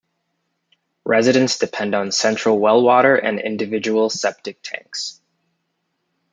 Residents depend on central well water and individual septic tanks.